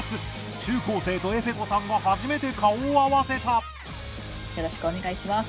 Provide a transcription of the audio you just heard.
中高生とえふぇ子さんが初めて顔を合わせたよろしくお願いします。